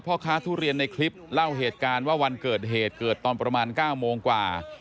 พ่อค้าทุเรียนในคลิปเล่าเหตุการณ์ว่าวันเกิดเหตุเกิดตอนประมาณ๙โมงกว่า